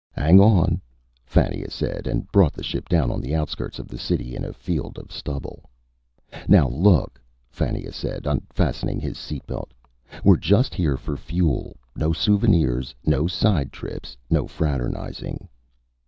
"Hang on," Fannia said, and brought the ship down on the outskirts of the city, in a field of stubble. "Now look," Fannia said, unfastening his safety belt. "We're just here for fuel. No souvenirs, no side trips, no fraternizing."